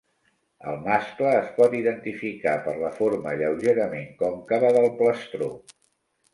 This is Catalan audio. El mascle es pot identificar per la forma lleugerament còncava del plastró.